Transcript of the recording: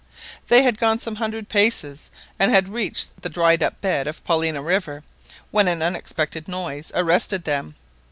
They had gone some hundred paces, and had reached the dried up bed of Paulina River, when an unexpected noise arrested them.